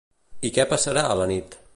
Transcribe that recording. I què passarà a la nit?